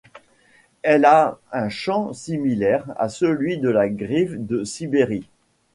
Elle a un chant similaire à celui de la Grive de Sibérie.